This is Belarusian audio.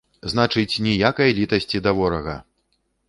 Значыць, ніякай літасці да ворага!